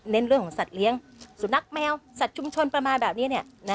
เรื่องของสัตว์เลี้ยงสุนัขแมวสัตว์ชุมชนประมาณแบบนี้